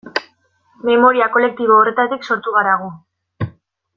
Memoria kolektibo horretatik sortu gara gu.